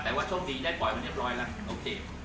แต่ว่าโชคดีได้ปล่อยมาเรียบร้อยแล้วโอเค